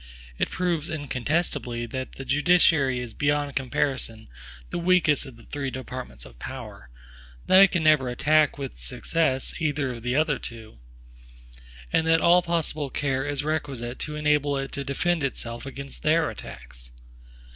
It proves incontestably, that the judiciary is beyond comparison the weakest of the three departments of power(1); that it can never attack with success either of the other two; and that all possible care is requisite to enable it to defend itself against their attacks.